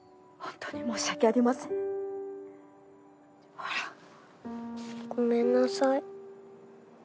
ほら。ごめんなさい。